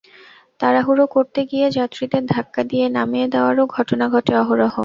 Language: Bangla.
তাড়াহুড়ো করতে গিয়ে যাত্রীদের ধাক্কা দিয়ে নামিয়ে দেওয়ারও ঘটনা ঘটে অহরহ।